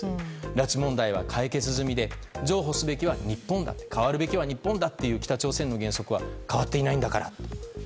拉致問題は解決済みで譲歩すべきは日本だと、変わるべきは日本だという北朝鮮の原則は変わっていないんだからと。